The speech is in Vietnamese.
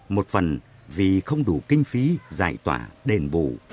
một phần vì không đủ kinh phí giải tỏa đền bù